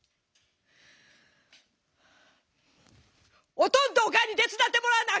「おとんとおかんに手伝ってもらわなあ